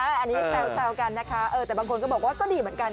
อันนี้แซวกันนะคะแต่บางคนก็บอกว่าก็ดีเหมือนกัน